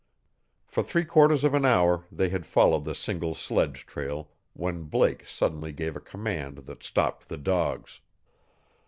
For three quarters of an hour they had followed the single sledge trail when Blake suddenly gave a command that stopped the dogs.